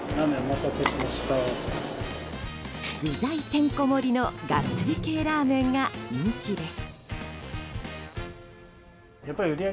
具材てんこ盛りのガッツリ系ラーメンが人気です。